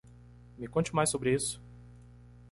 Me conte mais sobre isso.